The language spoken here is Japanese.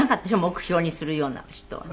目標にするような人は。